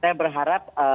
saya berharap eee